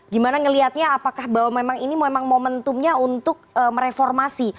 gimana melihatnya apakah bahwa memang ini momentumnya untuk mereformasi